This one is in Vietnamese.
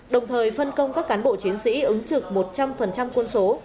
đồng thời phân công các cán bộ chiến sĩ ứng trực một trăm linh quân số